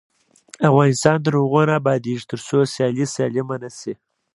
افغانستان تر هغو نه ابادیږي، ترڅو سیالي سالمه نشي.